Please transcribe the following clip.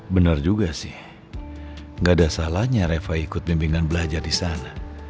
benar juga sih gak ada salahnya reva ikut bimbingan belajar di sana